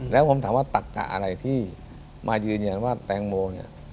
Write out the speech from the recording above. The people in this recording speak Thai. แล้วผมถามว่าตากจากอะไรที่มายืนอย่างหรือว่าแตงโมเนี่ย